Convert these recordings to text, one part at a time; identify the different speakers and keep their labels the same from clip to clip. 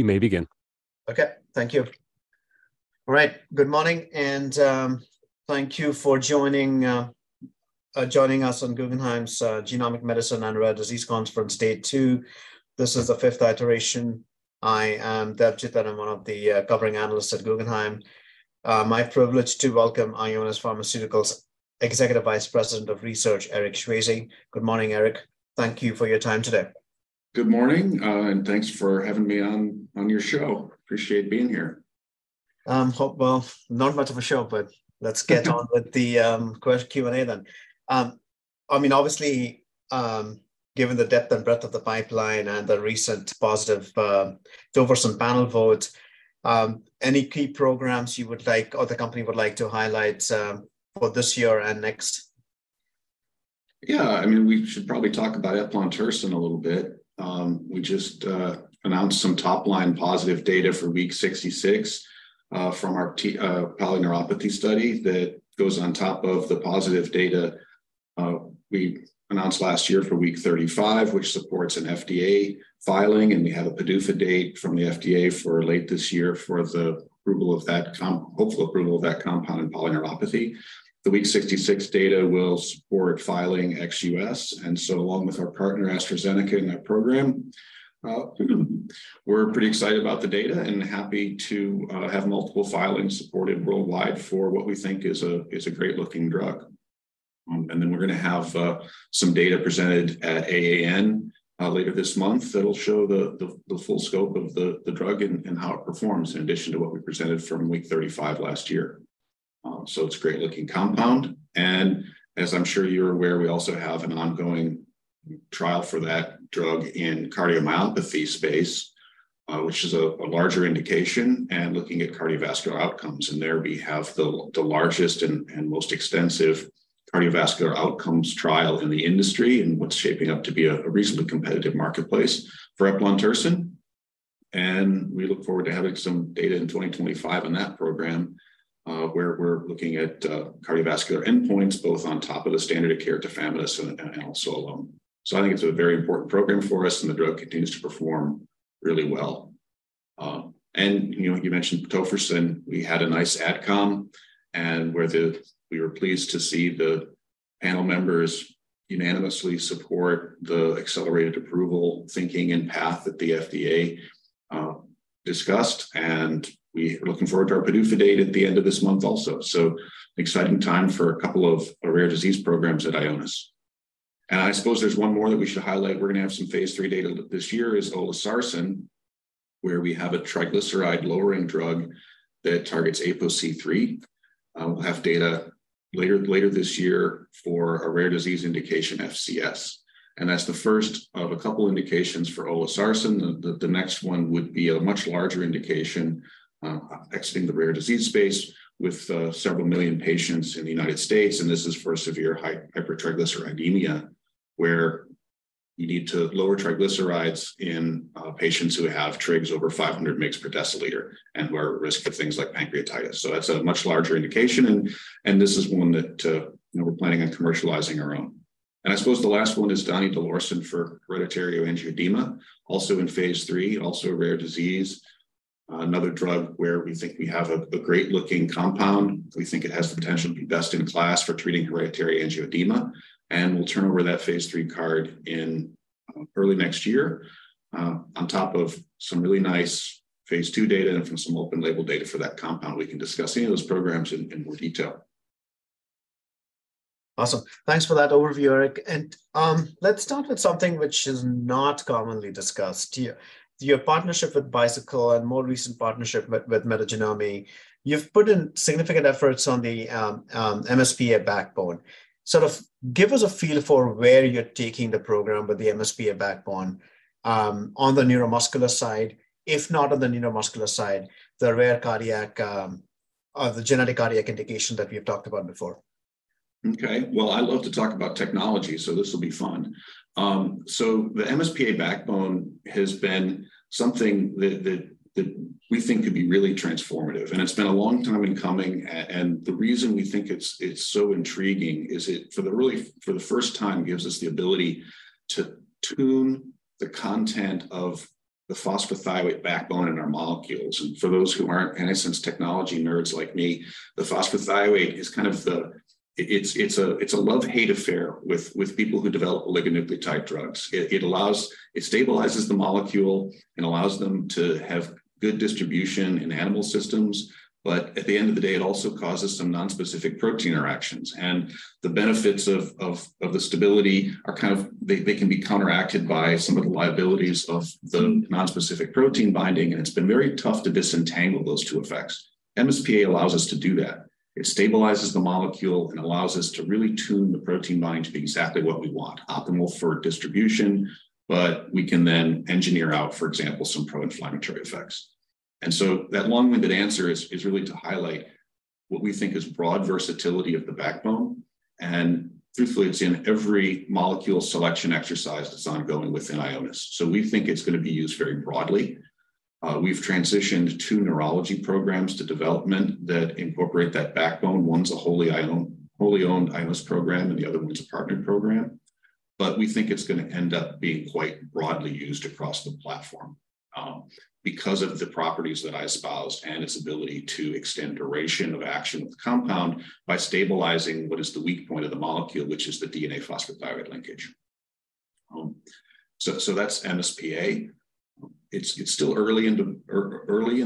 Speaker 1: You may begin.
Speaker 2: Okay. Thank you. All right, good morning and thank you for joining us on Guggenheim's Genomic Medicine and Rare Disease Conference Day 2. This is the fifth iteration. I am Debjit and I'm one of the covering analysts at Guggenheim. My privilege to welcome Ionis Pharmaceuticals Executive Vice President of Research, Eric Swayze. Good morning, Eric. Thank you for your time today.
Speaker 3: Good morning, thanks for having me on your show. Appreciate being here.
Speaker 2: Well, not much of a show, but let's get on with the quest Q&A then. I mean, obviously, given the depth and breadth of the pipeline and the recent positive tofersen panel vote, any key programs you would like or the company would like to highlight for this year and next?
Speaker 3: Yeah, I mean, we should probably talk about eplontersen a little bit. We just announced some top-line positive data for week 66 from our polyneuropathy study that goes on top of the positive data we announced last year for week 35, which supports an FDA filing, and we have a PDUFA date from the FDA for late this year for the hopefully approval of that compound in polyneuropathy. The week 66 data will support filing ex US. Along with our partner AstraZeneca in that program, we're pretty excited about the data and happy to have multiple filings supported worldwide for what we think is a great-looking drug. We're gonna have some data presented at AAN later this month that'll show the full scope of the drug and how it performs in addition to what we presented from week 35 last year. It's a great-looking compound. As I'm sure you're aware, we also have an ongoing trial for that drug in cardiomyopathy space, which is a larger indication, and looking at cardiovascular outcomes. There we have the largest and most extensive cardiovascular outcomes trial in the industry, and what's shaping up to be a reasonably competitive marketplace for eplontersen. We look forward to having some data in 2025 on that program, where we're looking at cardiovascular endpoints, both on top of the standard of care tafamidis and also alone. I think it's a very important program for us. The drug continues to perform really well. You know, you mentioned tofersen. We had a nice ADCOM. We were pleased to see the panel members unanimously support the accelerated approval thinking and path that the FDA discussed. We are looking forward to our PDUFA date at the end of this month also. An exciting time for a couple of our rare disease programs at Ionis. I suppose there's one more that we should highlight. We're gonna have some phase III data this year is olezarsen, where we have a triglyceride-lowering drug that targets APOC3. We'll have data later this year for a rare disease indication FCS. That's the first of a couple indications for olezarsen. The next one would be a much larger indication, exiting the rare disease space with several million patients in the United States. This is for severe hypertriglyceridemia, where you need to lower triglycerides in patients who have trigs over 500 mgs per deciliter and who are at risk for things like pancreatitis. That's a much larger indication, and this is one that, you know, we're planning on commercializing our own. I suppose the last one is donidalorsen for hereditary angioedema, also in phase III, also a rare disease, another drug where we think we have a great-looking compound. We think it has the potential to be best in class for treating hereditary angioedema, and we'll turn over that phase III card in early next year on top of some really nice phase II data and from some open label data for that compound. We can discuss any of those programs in more detail.
Speaker 2: Awesome. Thanks for that overview, Eric. Let's start with something which is not commonly discussed. Your partnership with Bicycle and more recent partnership with Metagenomi, you've put in significant efforts on the MsPA backbone. Sort of give us a feel for where you're taking the program with the MsPA backbone on the neuromuscular side, if not on the neuromuscular side, the rare cardiac or the genetic cardiac indication that we have talked about before?
Speaker 3: Okay. Well, I love to talk about technology, so this will be fun. The MsPA backbone has been something that we think could be really transformative, it's been a long time in coming. The reason we think it's so intriguing is it, for the first time, gives us the ability to tune the content of the phosphorothioate backbone in our molecules. For those who aren't innocence technology nerds like me, the phosphorothioate is kind of the. It's a love-hate affair with people who develop oligonucleotide drugs. It stabilizes the molecule and allows them to have good distribution in animal systems. At the end of the day, it also causes some nonspecific protein interactions, the benefits of the stability are kind of. They can be counteracted by some of the liabilities of the nonspecific protein binding, and it's been very tough to disentangle those 2 effects. MsPA allows us to do that. It stabilizes the molecule and allows us to really tune the protein binding to be exactly what we want, optimal for distribution, but we can then engineer out, for example, some pro-inflammatory effects. That long-winded answer is really to highlight what we think is broad versatility of the backbone, truthfully, it's in every molecule selection exercise design building within Ionis. We think it's gonna be used very broadly. We've transitioned 2 neurology programs to development that incorporate that backbone. One's a wholly owned Ionis program. We think it's gonna end up being quite broadly used across the platform, because of the properties that I espoused and its ability to extend duration of action of the compound by stabilizing what is the weak point of the molecule, which is the DNA phosphorothioate linkage. That's MSPA. It's still early in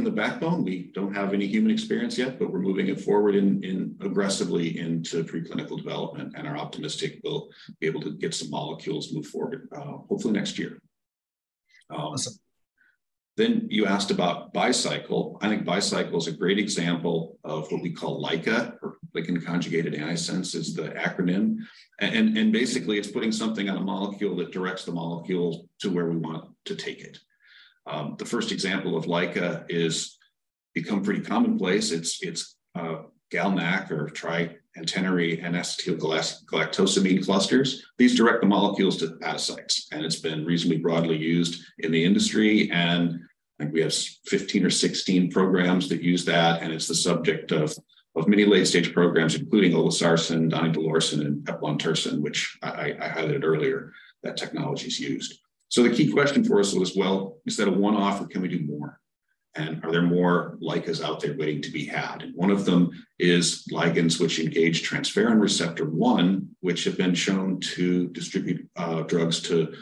Speaker 3: the backbone. We don't have any human experience yet, but we're moving it forward aggressively into preclinical development, and are optimistic we'll be able to get some molecules move forward hopefully next year. You asked about Bicycle. I think Bicycle is a great example of what we call LICA, or ligand conjugated antisense is the acronym. Basically, it's putting something on a molecule that directs the molecule to where we want to take it. The first example of LICA is become pretty commonplace. It's GalNAc or triantennary N-acetylgalactosamine clusters. These direct the molecules to the parasites, and it's been reasonably broadly used in the industry. I think we have 15 or 16 programs that use that, and it's the subject of many late-stage programs, including olezarsen, donidalorsen, and eplontersen, which I highlighted earlier that technology is used. The key question for us was, well, is that a one-off, or can we do more? Are there more LICAs out there waiting to be had? One of them is ligands which engage transferrin receptor 1, which have been shown to distribute drugs to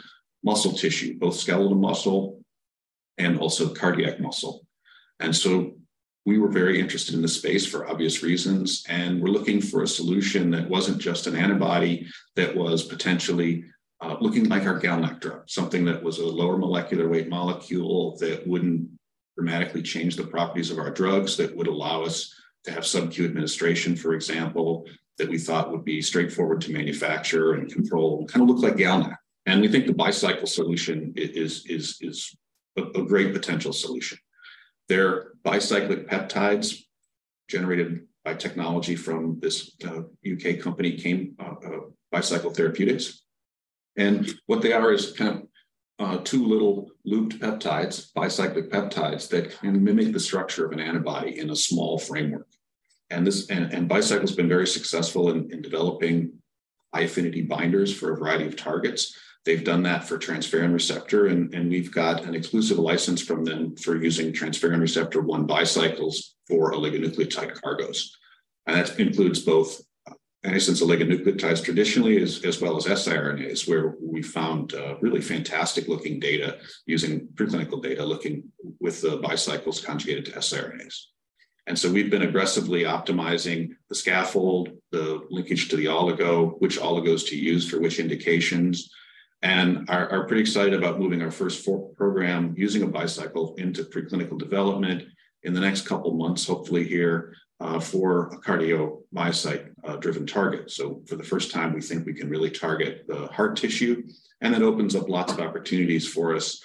Speaker 3: muscle tissue, both skeletal muscle and also cardiac muscle. We were very interested in this space for obvious reasons, and we're looking for a solution that wasn't just an antibody that was potentially looking like our GalNAc drug, something that was a lower molecular weight molecule that wouldn't dramatically change the properties of our drugs, that would allow us to have some Q administration, for example, that we thought would be straightforward to manufacture and control, and kinda look like GalNAc. We think the Bicycle solution is a great potential solution. Their bicyclic peptides generated by technology from this UK company came Bicycle Therapeutics. What they are is kind of two little looped peptides, bicyclic peptides that can mimic the structure of an antibody in a small framework. And Bicycle's been very successful in developing high-affinity binders for a variety of targets. They've done that for transferrin receptor 1, and we've got an exclusive license from them for using transferrin receptor 1 Bicycles for oligonucleotide cargos. That includes both antisense oligonucleotides traditionally as well as siRNAs, where we found really fantastic-looking data using preclinical data, looking with the Bicycles conjugated to siRNAs. We've been aggressively optimizing the scaffold, the linkage to the oligo, which oligos to use for which indications, and are pretty excited about moving our first 4 program using a Bicycle into preclinical development in the next couple of months, hopefully here, for a cardiomyocyte driven target. For the first time, we think we can really target the heart tissue. It opens up lots of opportunities for us,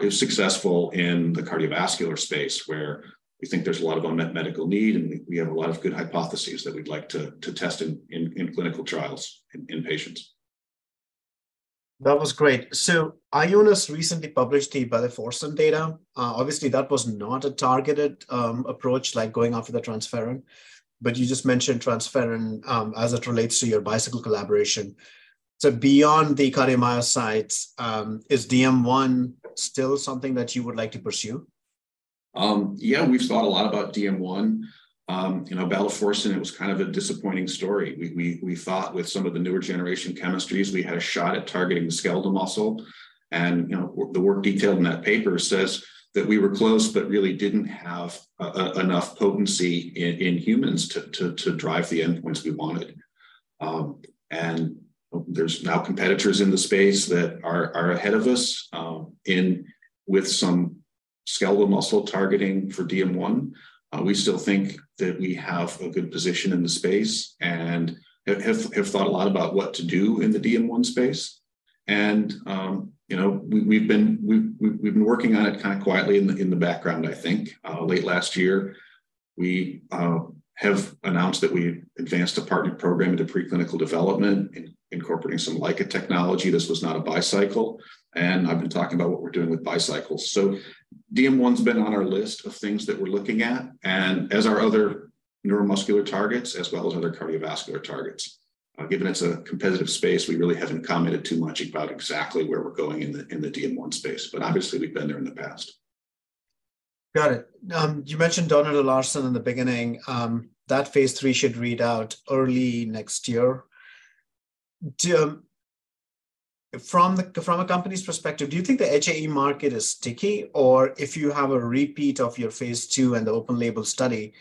Speaker 3: if successful in the cardiovascular space, where we think there's a lot of unmet medical need. We have a lot of good hypotheses that we'd like to test in clinical trials in patients.
Speaker 2: That was great. Ionis recently published the baliforsen data. Obviously, that was not a targeted approach like going after the transferrin, but you just mentioned transferrin as it relates to your Bicycle collaboration. Beyond the cardiomyocytes, is DM1 still something that you would like to pursue?
Speaker 3: Yeah, we've thought a lot about DM1. You know, baliforsen, it was kind of a disappointing story. We thought with some of the newer generation chemistries, we had a shot at targeting the skeletal muscle. You know, the work detailed in that paper says that we were close but really didn't have enough potency in humans to drive the endpoints we wanted. There's now competitors in the space that are ahead of us in with some skeletal muscle targeting for DM1. We still think that we have a good position in the space and have thought a lot about what to do in the DM1 space. You know, we've been working on it kinda quietly in the background, I think. Late last year, we have announced that we advanced a partner program into preclinical development in incorporating some LICA technology. This was not a Bicycle, and I've been talking about what we're doing with Bicycle. DM1's been on our list of things that we're looking at, and as our other neuromuscular targets, as well as other cardiovascular targets. Given it's a competitive space, we really haven't commented too much about exactly where we're going in the DM1 space. Obviously, we've been there in the past.
Speaker 2: Got it. You mentioned donidalorsen in the beginning. That phase III should read out early next year. From a company's perspective, do you think the HAE market is sticky, or if you have a repeat of your phase II and the open label study,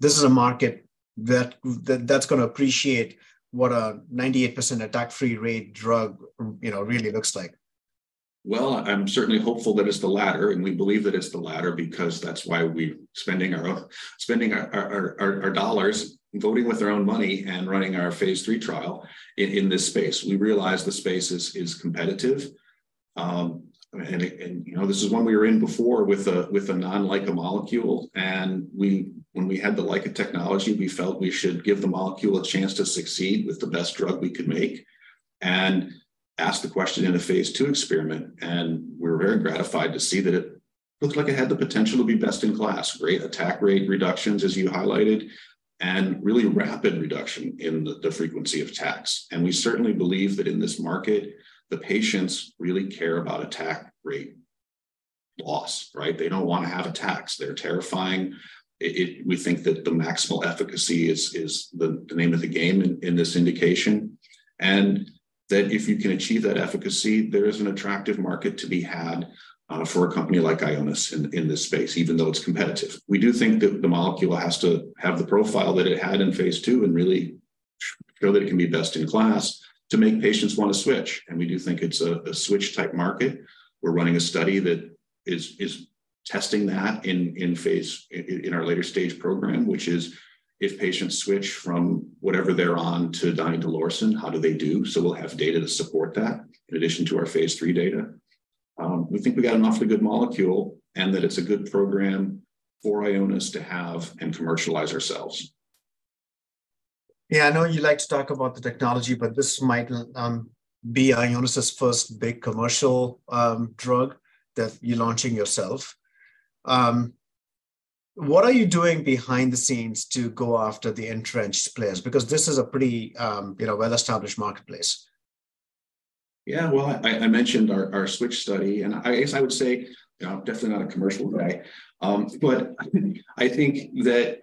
Speaker 2: this is a market that's gonna appreciate what a 98% attack-free rate drug, you know, really looks like?
Speaker 3: Well, I'm certainly hopeful that it's the latter, and we believe that it's the latter because that's why we're spending our dollars, voting with our own money and running our phase III trial in this space. We realize the space is competitive, and, you know, this is one we were in before with a non-LICA molecule. When we had the LICA technology, we felt we should give the molecule a chance to succeed with the best drug we could make and ask the question in a phase II experiment. We're very gratified to see that it looks like it had the potential to be best in class. Great attack rate reductions, as you highlighted, and really rapid reduction in the frequency of attacks. We certainly believe that in this market, the patients really care about attack rate loss, right? They don't wanna have attacks. They're terrifying. We think that the maximal efficacy is the name of the game in this indication, and that if you can achieve that efficacy, there is an attractive market to be had for a company like Ionis Pharmaceuticals in this space, even though it's competitive. We do think that the molecule has to have the profile that it had in phase II and really show that it can be best in class to make patients wanna switch, and we do think it's a switch type market. We're running a study that is testing that in our later stage program, which is if patients switch from whatever they're on to donidalorsen, how do they do? We'll have data to support that in addition to our phase III data. We think we got an awfully good molecule, and that it's a good program for Ionis to have and commercialize ourselves.
Speaker 2: Yeah, I know you like to talk about the technology, but this might be Ionis' first big commercial drug that you're launching yourself. What are you doing behind the scenes to go after the entrenched players? This is a pretty, you know, well-established marketplace.
Speaker 3: Yeah. Well, I mentioned our switch study. I guess I would say, you know, I'm definitely not a commercial guy. I think that,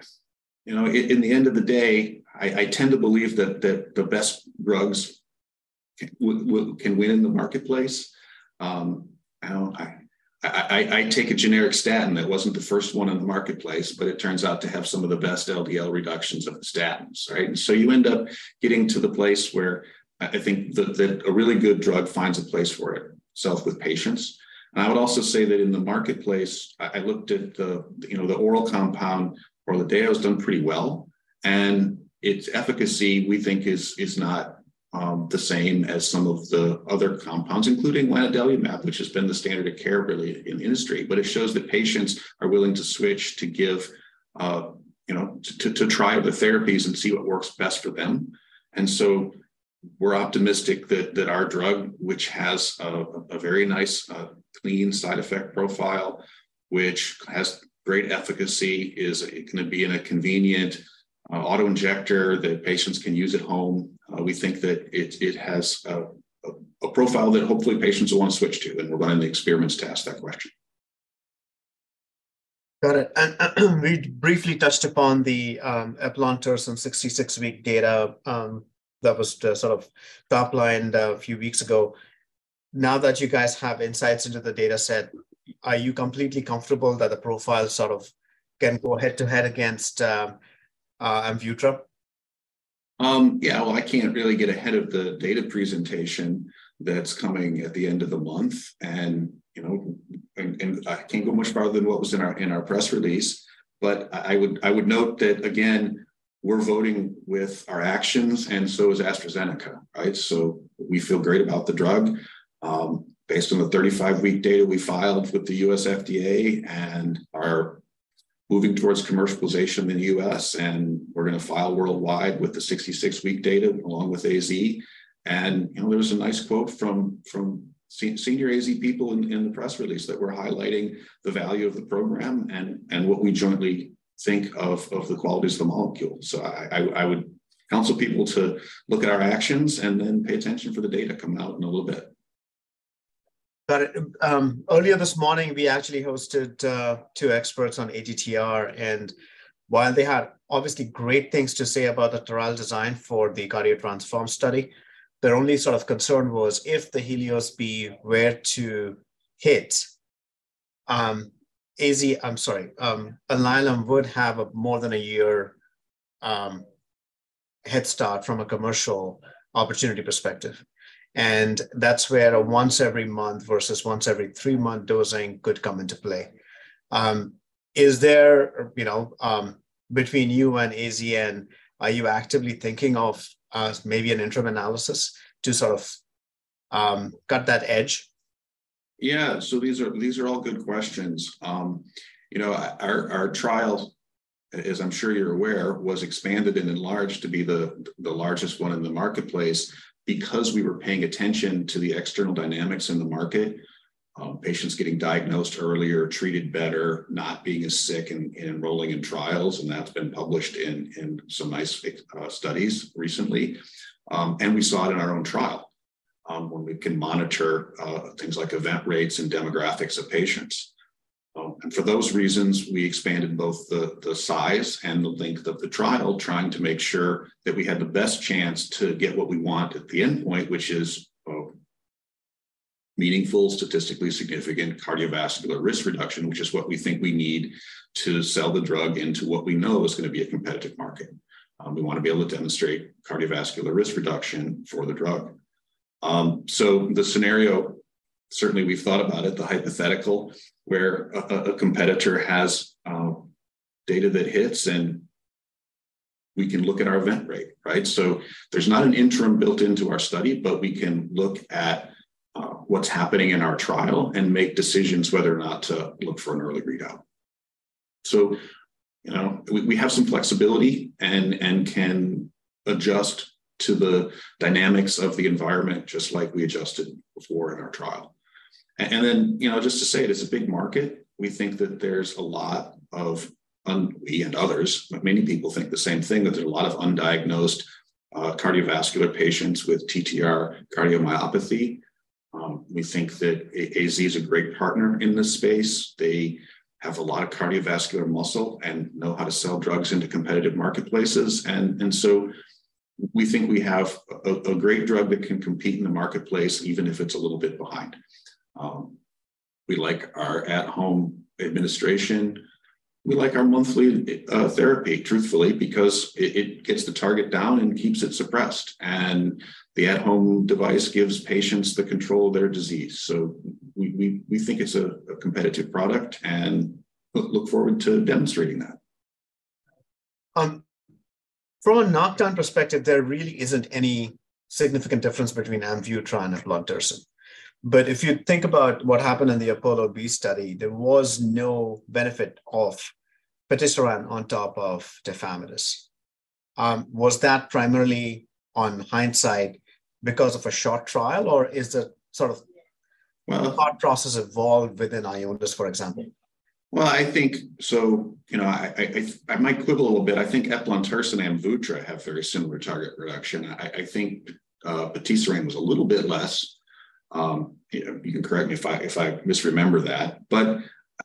Speaker 3: you know, in the end of the day, I tend to believe that the best drugs can win in the marketplace. I take a generic statin that wasn't the first one in the marketplace. It turns out to have some of the best LDL reductions of the statins, right? You end up getting to the place where I think that a really good drug finds a place for itself with patients. I would also say that in the marketplace, I looked at the, you know, the oral compound or the day has done pretty well. Its efficacy, we think is not the same as some of the other compounds, including lanadelumab, which has been the standard of care really in the industry. It shows that patients are willing to switch, to give, you know, to try other therapies and see what works best for them. We're optimistic that our drug, which has a very nice, clean side effect profile, which has great efficacy, is gonna be in a convenient auto-injector that patients can use at home. We think that it has a profile that hopefully patients will wanna switch to, and we're running the experiments to ask that question.
Speaker 2: Got it. We briefly touched upon the eplontersen 66-week data that was sort of top-lined a few weeks ago. Now that you guys have insights into the data set, are you completely comfortable that the profile sort of can go head to head against AMVUTTRA?
Speaker 3: Yeah, well, I can't really get ahead of the data presentation that's coming at the end of the month and, you know, I can't go much farther than what was in our press release. I would note that again, we're voting with our actions, and so is AstraZeneca, right? We feel great about the drug, based on the 35 week data we filed with the U.S. FDA and are moving towards commercialization in the U.S., and we're gonna file worldwide with the 66 week data along with AZ. You know, there was a nice quote from senior AZ people in the press release that we're highlighting the value of the program and what we jointly think of the qualities of the molecule. I would counsel people to look at our actions and then pay attention for the data coming out in a little bit.
Speaker 2: Got it. Earlier this morning, we actually hosted two experts on ATTR. While they had obviously great things to say about the trial design for the CARDIO-TTRansform study, their only sort of concern was if the HELIOS-B were to hit, AZ... I'm sorry. Alnylam would have more than a year head start from a commercial opportunity perspective, and that's where a once every month versus once every three month dosing could come into play. Is there, you know, between you and AZN, are you actively thinking of maybe an interim analysis to sort of cut that edge?
Speaker 3: Yeah. These are all good questions. You know, our trial, as I'm sure you're aware, was expanded and enlarged to be the largest one in the marketplace because we were paying attention to the external dynamics in the market, patients getting diagnosed earlier, treated better, not being as sick and enrolling in trials, and that's been published in some nice studies recently. We saw it in our own trial, when we can monitor things like event rates and demographics of patients. For those reasons, we expanded both the size and the length of the trial, trying to make sure that we had the best chance to get what we want at the endpoint, which is meaningful, statistically significant cardiovascular risk reduction, which is what we think we need to sell the drug into what we know is gonna be a competitive market. We wanna be able to demonstrate cardiovascular risk reduction for the drug. The scenario, certainly we've thought about it, the hypothetical where a competitor has data that hits and we can look at our event rate, right? There's not an interim built into our study, but we can look at what's happening in our trial and make decisions whether or not to look for an early readout. You know, we have some flexibility and can adjust to the dynamics of the environment just like we adjusted before in our trial. You know, just to say it is a big market. We think that there's a lot of we and others, but many people think the same thing, that there are a lot of undiagnosed, cardiovascular patients with TTR cardiomyopathy. We think that AZ is a great partner in this space. They have a lot of cardiovascular muscle and know how to sell drugs into competitive marketplaces. We think we have a great drug that can compete in the marketplace, even if it's a little bit behind. We like our at-home administration. We like our monthly therapy, truthfully, because it gets the target down and keeps it suppressed. The at-home device gives patients the control of their disease. We think it's a competitive product and look forward to demonstrating that.
Speaker 2: From a knockdown perspective, there really isn't any significant difference between AMVUTTRA and eplontersen. If you think about what happened in the APOLLO-B study, there was no benefit of patisiran on top of tafamidis. Was that primarily on hindsight because of a short trial, or is that sort of?
Speaker 3: Well-
Speaker 2: the thought process evolved within Ionis, for example?
Speaker 3: Well, I think so, you know, I might quibble a little bit. I think eplontersen and AMVUTTRA have very similar target reduction. I think patisiran was a little bit less. You know, you can correct me if I misremember that.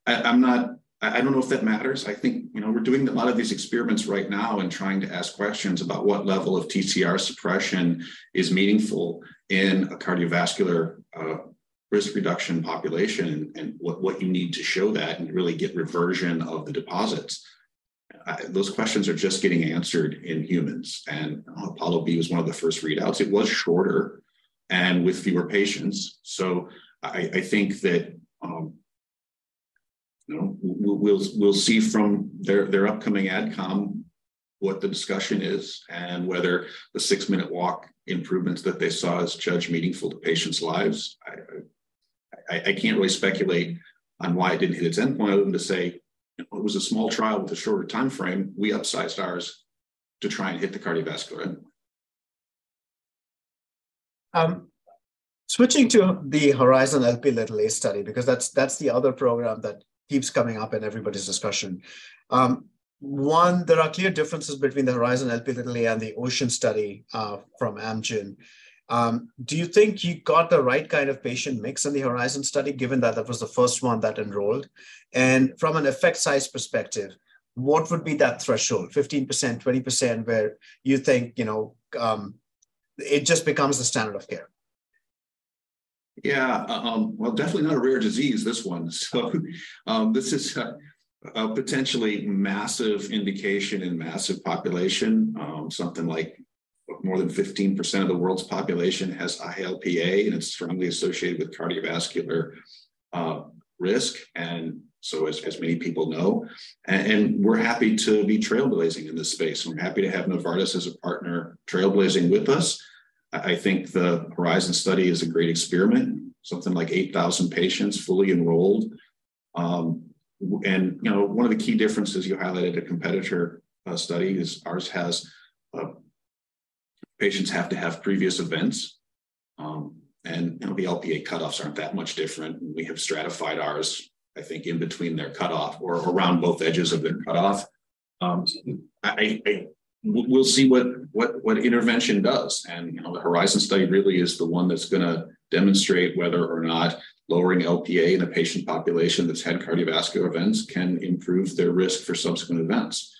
Speaker 3: I'm not... I don't know if that matters. I think, you know, we're doing a lot of these experiments right now and trying to ask questions about what level of TCR suppression is meaningful in a cardiovascular risk reduction population and what you need to show that and really get reversion of the deposits. Those questions are just getting answered in humans, and APOLLO-B was one of the first readouts. It was shorter and with fewer patients. I think that, you know, we'll see from their upcoming ADCOM what the discussion is and whether the 6-minute walk improvements that they saw is judged meaningful to patients' lives. I can't really speculate on why it didn't hit its endpoint other than to say it was a small trial with a shorter timeframe. We upsized ours to try and hit the cardiovascular endpoint.
Speaker 2: Switching to the Lp(a) HORIZON study because that's the other program that keeps coming up in everybody's discussion. One, there are clear differences between the Lp(a) HORIZON and the OCEAN(a) study from Amgen. Do you think you got the right kind of patient mix in the Lp(a) HORIZON study given that that was the first one that enrolled? From an effect size perspective, what would be that threshold, 15%, 20%, where you think, you know, it just becomes the standard of care?
Speaker 3: Yeah. Well, definitely not a rare disease, this one. This is a potentially massive indication in massive population. Something like more than 15% of the world's population has Lp(a), and it's strongly associated with cardiovascular risk, as many people know. We're happy to be trailblazing in this space. We're happy to have Novartis as a partner trailblazing with us. I think the HORIZON study is a great experiment, something like 8,000 patients fully enrolled. You know, one of the key differences you highlighted a competitor study is ours has patients have to have previous events, and the Lp(a) cutoffs aren't that much different, we have stratified ours, I think, in between their cutoff or around both edges of their cutoff. We'll see what intervention does. you know, the HORIZON study really is the one that's gonna demonstrate whether or not lowering Lp(a) in a patient population that's had cardiovascular events can improve their risk for subsequent events.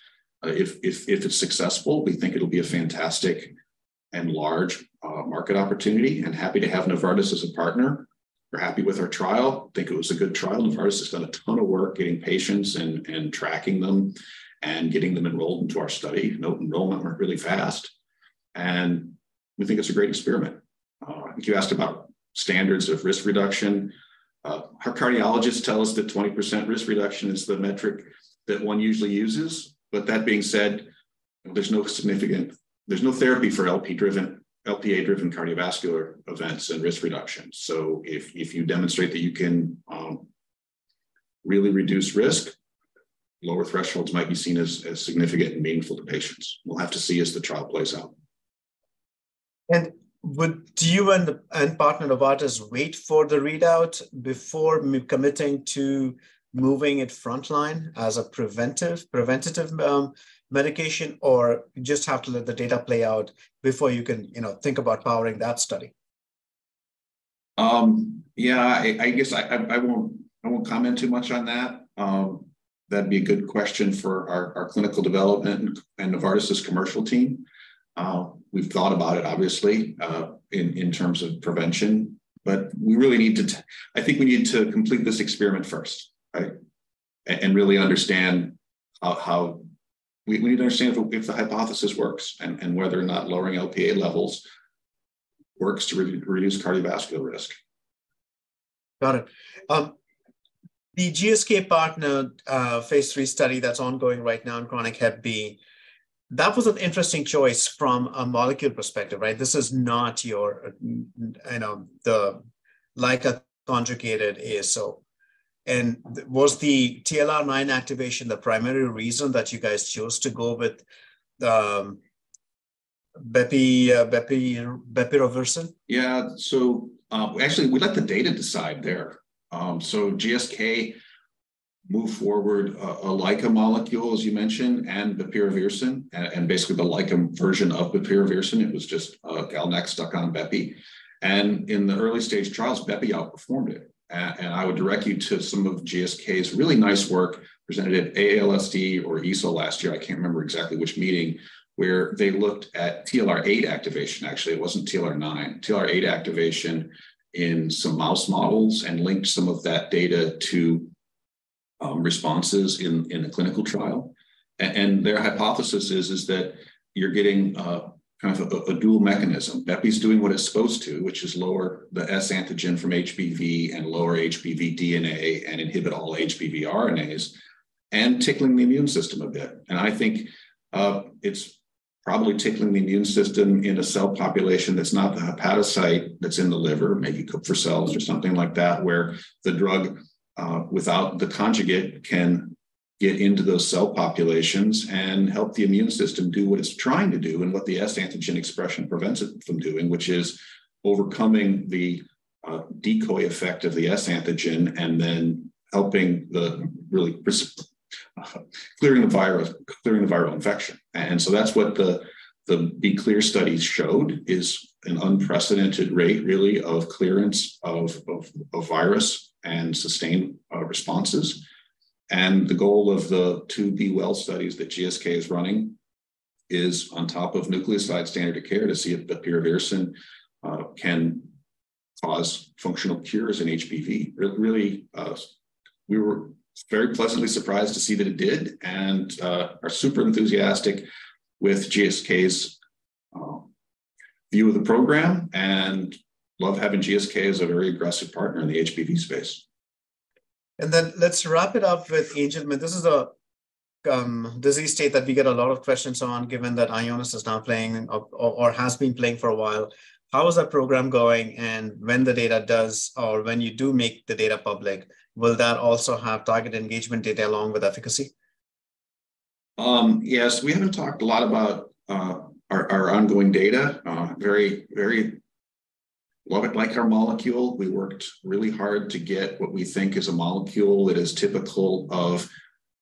Speaker 3: If it's successful, we think it'll be a fantastic and large market opportunity and happy to have Novartis as a partner. We're happy with our trial. Think it was a good trial. Novartis has done a ton of work getting patients and tracking them and getting them enrolled into our study. You know, enrollment went really fast, and we think it's a great experiment. I think you asked about standards of risk reduction. Our cardiologists tell us that 20% risk reduction is the metric that one usually uses. That being said, there's no therapy for Lp(a)-driven, Lp(a)-driven cardiovascular events and risk reduction. If you demonstrate that you can really reduce risk, lower thresholds might be seen as significant and meaningful to patients. We'll have to see as the trial plays out.
Speaker 2: would you and the, and partner Novartis wait for the readout before committing to moving it frontline as a preventive medication, or just have to let the data play out before you can, you know, think about powering that study?
Speaker 3: Yeah, I guess I won't comment too much on that. That'd be a good question for our clinical development and Novartis' commercial team. We've thought about it obviously, in terms of prevention, but we really need to I think we need to complete this experiment first, right? Really understand how. We need to understand if the hypothesis works and whether or not lowering Lp(a) levels works to reduce cardiovascular risk.
Speaker 2: Got it. The GSK partner, phase III study that's ongoing right now in chronic hep B. That was an interesting choice from a molecule perspective, right? This is not your, you know, the like a conjugated ASO. Was the TLR9 activation the primary reason that you guys chose to go with bepirovirsen?
Speaker 3: Yeah. actually, we let the data decide there. GSK moved forward a like a molecule, as you mentioned, and bepirovirsen, and basically the like version of bepirovirsen. It was just LNX stuck on bepi. In the early-stage trials, bepi outperformed it. I would direct you to some of GSK's really nice work presented at AASLD or EASL last year, I can't remember exactly which meeting, where they looked at TLR8 activation. Actually, it wasn't TLR9. TLR8 activation in some mouse models, and linked some of that data to responses in a clinical trial. Their hypothesis is that you're getting kind of a dual mechanism. Bepi's doing what it's supposed to, which is lower the S antigen from HBV and lower HBV DNA and inhibit all HBV RNAs, and tickling the immune system a bit. I think it's probably tickling the immune system in a cell population that's not the hepatocyte that's in the liver, maybe Kupffer cells or something like that, where the drug, without the conjugate can get into those cell populations and help the immune system do what it's trying to do and what the S antigen expression prevents it from doing, which is overcoming the decoy effect of the S antigen and then helping the clearing the virus, clearing the viral infection. That's what the B-Clear studies showed, is an unprecedented rate really of clearance of virus and sustained responses. The goal of the two B-Well studies that GSK is running is on top of nucleoside standard of care to see if bepirovirsen can cause functional cures in HBV. Really, we were very pleasantly surprised to see that it did, and are super enthusiastic with GSK's view of the program and love having GSK as a very aggressive partner in the HBV space.
Speaker 2: Let's wrap it up with Angelman. This is a disease state that we get a lot of questions on, given that Ionis is now playing or has been playing for a while. How is that program going? When the data does, or when you do make the data public, will that also have target engagement data along with efficacy?
Speaker 3: Yes. We haven't talked a lot about our ongoing data. Very love it like our molecule. We worked really hard to get what we think is a molecule that is typical of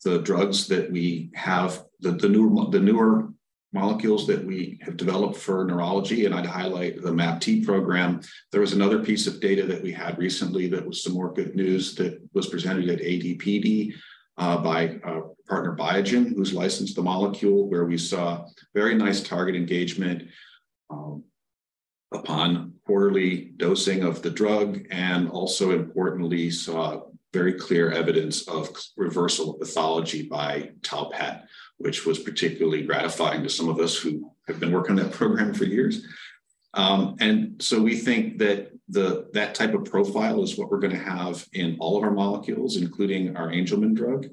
Speaker 3: the drugs that we have. The newer molecules that we have developed for neurology, and I'd highlight the MAPT program. There was another piece of data that we had recently that was some more good news that was presented at ADPD by our partner Biogen, who's licensed the molecule, where we saw very nice target engagement upon quarterly dosing of the drug, and also importantly, saw very clear evidence of reversal of pathology by tau PET, which was particularly gratifying to some of us who have been working on that program for years. We think that type of profile is what we're gonna have in all of our molecules, including our Angelman drug.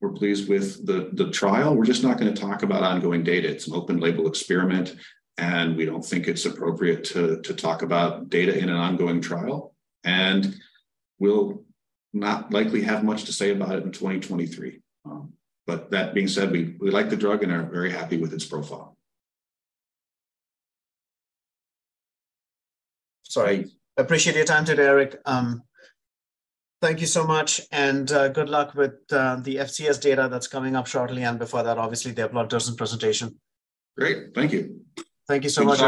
Speaker 3: We're pleased with the trial. We're just not gonna talk about ongoing data. It's an open label experiment, and we don't think it's appropriate to talk about data in an ongoing trial, and we'll not likely have much to say about it in 2023. That being said, we like the drug and are very happy with its profile.
Speaker 2: Sorry. Appreciate your time today, Eric. Thank you so much. Good luck with the FCS data that's coming up shortly. Before that, obviously the eplontersen presentation.
Speaker 3: Great. Thank you.
Speaker 2: Thank you so much.